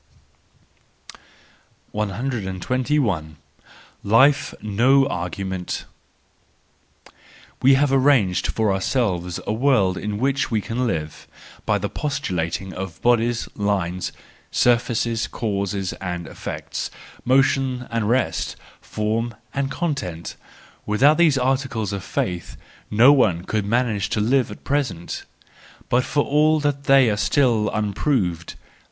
121 . Life no Argument —We have arranged for our¬ selves a world in which we can live—by the postulating of bodies, lines, surfaces, causes and effects, motion and rest, form and content: without these articles of faith no one could manage to live at present! But for all that they are still unproved.